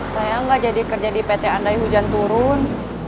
saya nggak jadi kerja di pt andai hujan turun